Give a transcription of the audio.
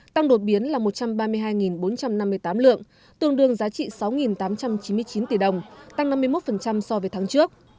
tăng đột biến là một trăm ba mươi hai bốn trăm năm mươi tám lượng tương đương giá trị sáu tám trăm chín mươi chín tỷ đồng tăng năm mươi một so với tháng trước